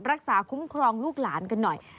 รักษาคุ้มครองลูกหลานกันหน่อย